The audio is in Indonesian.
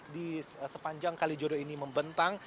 di sepanjang kalijodo ini membentang